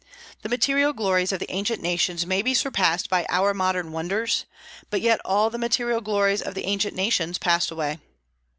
The material glories of the ancient nations may be surpassed by our modern wonders; but yet all the material glories of the ancient nations passed away.